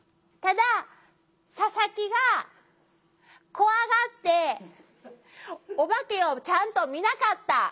ただ佐々木が怖がってオバケをちゃんと見なかった。